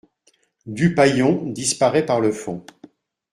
Dupaillon disparaît par le fond.